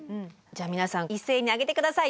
じゃあ皆さん一斉に上げて下さい。